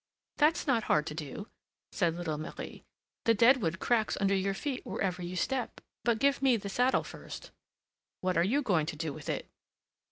"That's not hard to do," said little Marie; "the dead wood cracks under your feet wherever you step; but give me the saddle first." "What are you going to do with it?"